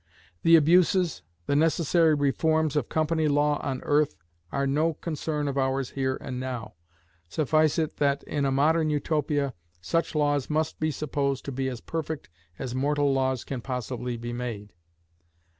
The abuses, the necessary reforms of company law on earth, are no concern of ours here and now, suffice it that in a Modern Utopia such laws must be supposed to be as perfect as mortal laws can possibly be made.